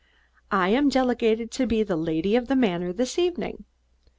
"I am delegated to be lady of the manor this evening."